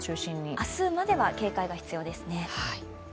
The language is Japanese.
明日までは警戒が必要ですね。